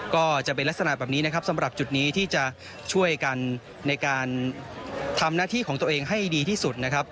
ก็จะเป็นลักษณะแบบนี้นะครับสำหรับจุดนี้ที่จะช่วยกันในการทำหน้าที่ของตัวเองให้ดีที่สุดนะครับ